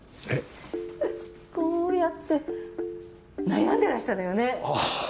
フフッこうやって悩んでらしたのよね？